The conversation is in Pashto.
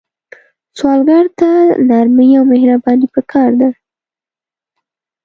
سوالګر ته نرمي او مهرباني پکار ده